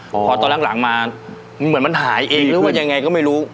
พอตอนหลังมาเหมือนมันหายเองหรือว่ายังไงก็ไม่รู้